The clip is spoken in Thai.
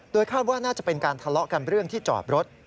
คาดว่าน่าจะเป็นการทะเลาะกันเรื่องที่จอดรถ